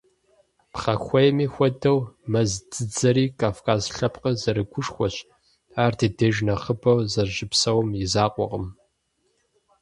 Пхъэхуейми хуэдэу, мэз дзыдзэри Кавказ лъэпкъыр зэрыгушхуэщ, ар ди деж нэхъыбэу зэрыщыпсэум и закъуэкъым.